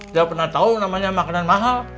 dia pernah tahu namanya makanan mahal